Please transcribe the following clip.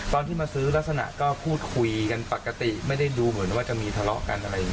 ตอนที่มาซื้อลักษณะก็พูดคุยกันปกติไม่ได้ดูเหมือนว่าจะมีทะเลาะกันอะไรอย่างนี้